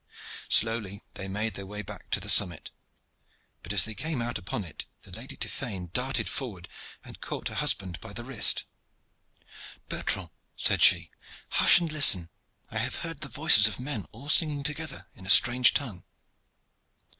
Slowly they made their way back to the summit, but as they came out upon it the Lady Tiphaine darted forward and caught her husband by the wrist. "Bertrand," said she, "hush and listen! I have heard the voices of men all singing together in a strange tongue."